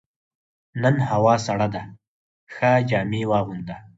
نن هوا سړه ده، ښه جامې واغونده.